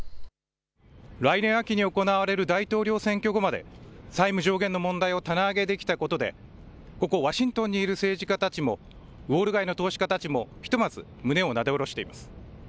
来年秋に行われる大統領選挙後まで債務上限の問題を棚上げできたことでここワシントンにいる政治家たちもウォール街の投資家たちもひとまず胸をなで下ろしています。